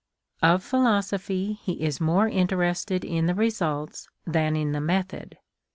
Of philosophy he is more interested in the results than in the method.